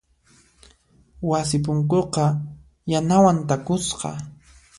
Wasi punkuqa yanawan takusqa.